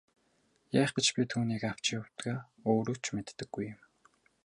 Яах гэж би үүнийг авч явдгаа өөрөө ч мэддэггүй юм.